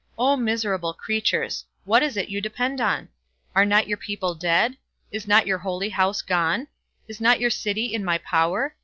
O miserable creatures! what is it you depend on? Are not your people dead? is not your holy house gone? is not your city in my power?